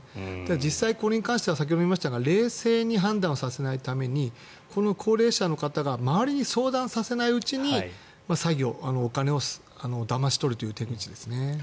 実際、これに関しては先ほども言いましたが冷静に判断させないためにこの高齢者の方が周りに相談させないうちにお金をだまし取るという手口ですね。